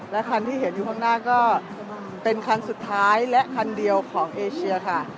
และคันที่เห็นอยู่ข้างหน้าก็เป็นคันสุดท้ายและคันเดียวของเอเชียค่ะ